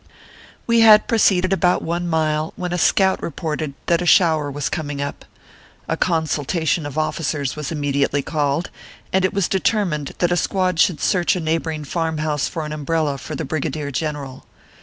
We had proceeded about one mile, when a scout re ported that a shower was coming up. A consultation of officers was immediately called, and it was deter mined that a squad should search a neighboring farm house for an umbrella for the Brigadier General.